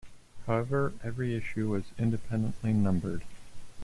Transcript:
However, every issue was independently numbered.